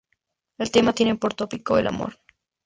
El tema tiene por tópico el amor.